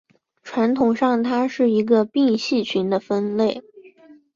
传统上它是一个并系群的分类。